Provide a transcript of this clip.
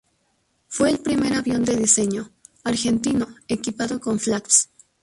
Fue el primer avión de diseño argentino equipado con flaps.